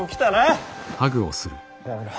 やめろ！